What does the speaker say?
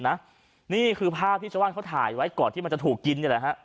นี่คือภาพที่ชาวบ้านเขาถ่ายไว้ก่อนที่มันจะถูกกินนี่แหละฮะ